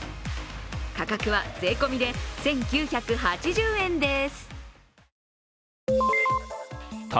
価格は税込みで１９８０円です。